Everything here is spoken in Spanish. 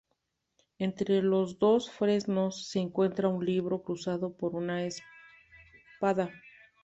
Entre los dos fresnos se encuentra un libro cruzado por una espada.